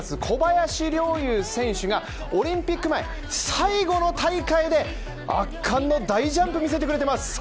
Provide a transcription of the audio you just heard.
小林陵侑選手がオリンピック前最後の大会で圧巻の大ジャンプを見せてくれてます